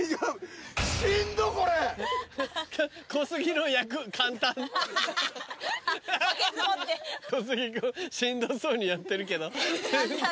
小杉君しんどそうにやってるけど。